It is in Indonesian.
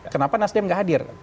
kenapa nasdem tidak hadir